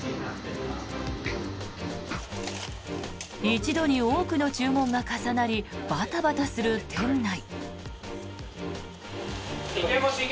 一度に多くの注文が重なりバタバタする店内。